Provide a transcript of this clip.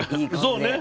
そうね。